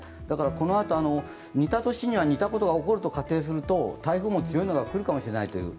このあと、似た年には似たことが起こると仮定すると台風も強いのが来るかもしれないという。